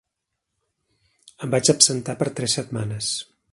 Em vaig absentar per tres setmanes.